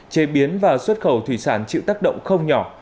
chế biến và xuất khẩu thủy sản chịu tác động không nhỏ